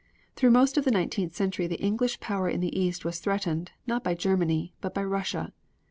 Through most of the nineteenth century the English power in the East was threatened, not by Germany, but by Russia.